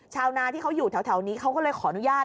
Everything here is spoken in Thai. ชาวนาที่เขาอยู่แถวนี้เขาก็เลยขออนุญาต